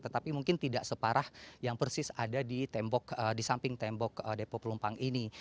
tetapi mungkin tidak separah yang persis ada di samping tembok depo pelumpang ini